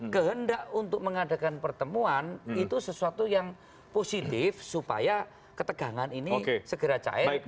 kehendak untuk mengadakan pertemuan itu sesuatu yang positif supaya ketegangan ini segera cair